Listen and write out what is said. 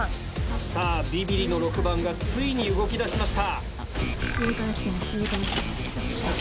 さぁビビりの６番がついに動きだしました。